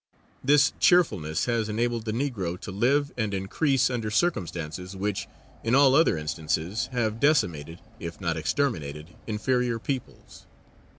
This cheerfulness has enabled the Negro to live and increase under circumstances which, in all other instances, have decimated, if not exterminated, inferior peoples.